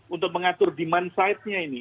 untuk mengatur demand side nya ini